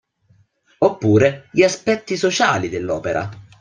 Oppure gli aspetti sociali dell'opera.